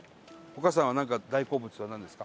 丘さんはなんか大好物はなんですか？